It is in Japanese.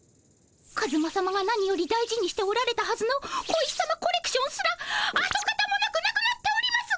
カズマさまが何より大事にしておられたはずの小石さまコレクションすらあとかたもなくなくなっております！